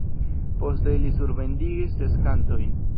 Poste ili surbendigis ses kantojn.